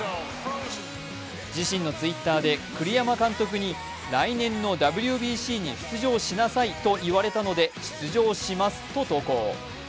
自身のＴｗｉｔｔｅｒで栗山監督に来年のＷＢＣに出場しなさいといわれたので出場しますと投稿。